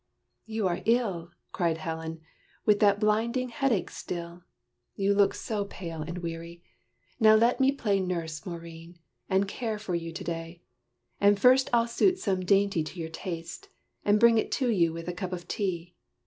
"You are ill," Cried Helen, "with that blinding headache still! You look so pale and weary. Now let me Play nurse, Maurine, and care for you to day! And first I'll suit some dainty to your taste, And bring it to you, with a cup of tea."